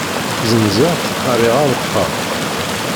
Zzenzeɣ-tt, rriɣ areṭṭal.